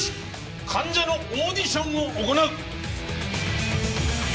患者のオーディションを行う！